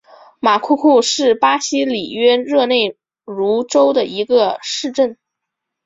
马库库是巴西里约热内卢州的一个市镇。